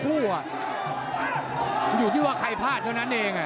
อยู่ที่ว่าใครพลาดเท่านั้นเอง